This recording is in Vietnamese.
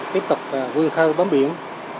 tiếp tục vươn khơ bấm biển